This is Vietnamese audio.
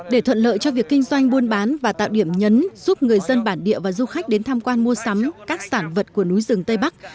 để thuận lợi cho việc kinh doanh buôn bán và tạo điểm nhấn giúp người dân bản địa và du khách đến tham quan mua sắm các sản vật của núi rừng tây bắc